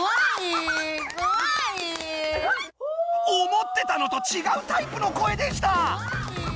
思ってたのとちがうタイプの声でした！